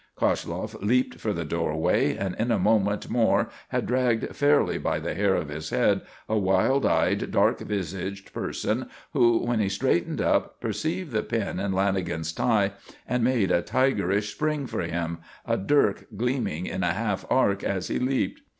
Koshloff leaped for the doorway and in a moment more had dragged fairly by the hair of his head, a wild eyed, dark visaged person who, when he straightened up, perceived the pin in Lanagan's tie and made a tigerish spring for him, a dirk gleaming in a half arc as he leaped.